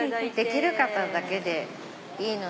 できる方だけでいいので。